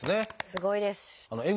すごいですね。